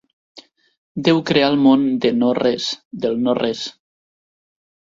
Déu creà el món de no res, del no-res.